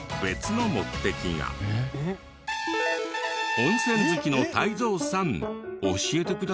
温泉好きの泰造さん教えてください。